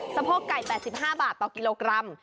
สะโพกไก่๘๕บาทต่อกิโลกรัม